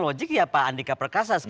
logik ya pak andika perkasa